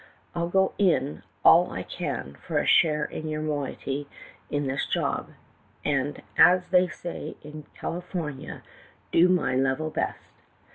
I 'll go in all I can for a share in your moiety in this job, and, as they say in Cali fornia, do my "level best.